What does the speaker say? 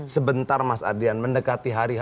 sebentar mas ardian mendekati hari